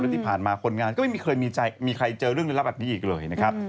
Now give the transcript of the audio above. แล้วที่ผ่านมาคนงานก็ไม่เคยมีใจมีใครเจอเรื่องเรื่องรับแบบนี้อีกเลยนะครับ